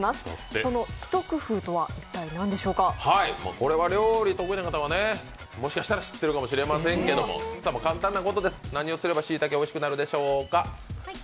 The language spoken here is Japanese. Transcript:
これは料理得意な方はもしかしたら知ってるかもしれないですけれども、簡単なことです、何をすればしいたけがおいしくなるでしょうか。